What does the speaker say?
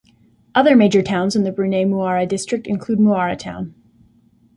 Other major towns in the Brunei-Muara district include Muara town.